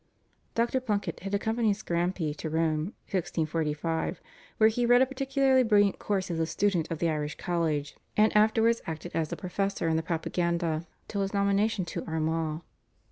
Dr. Plunket had accompanied Scarampi to Rome (1645), where he read a particularly brilliant course as a student of the Irish College, and afterwards acted as a professor in the Propaganda till his nomination to Armagh.